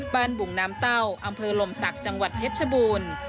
บุงน้ำเต้าอำเภอลมศักดิ์จังหวัดเพชรชบูรณ์